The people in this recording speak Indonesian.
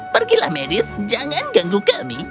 pergilah medis jangan ganggu kami